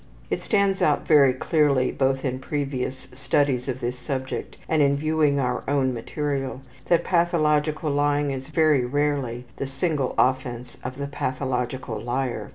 It stands out very clearly, both in previous studies of this subject and in viewing our own material, that pathological lying is very rarely the single offense of the pathological liar.